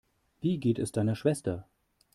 Wie geht es deiner Schwester?